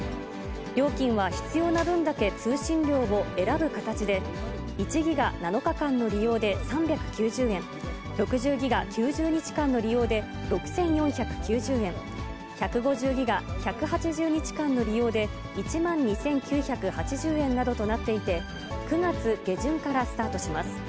料金は必要な分だけ通信量を選ぶ形で、１ギガ７日間の利用で３９０円、６０ギガ９０日間の利用で６４９０円、１５０ギガ１８０日間の利用で１万２９８０円などとなっていて、９月下旬からスタートします。